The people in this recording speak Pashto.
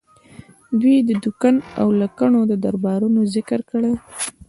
دوی د دکن او لکنهو د دربارونو ذکر کړی دی.